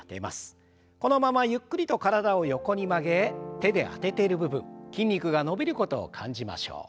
このままゆっくりと体を横に曲げ手であてている部分筋肉が伸びることを感じましょう。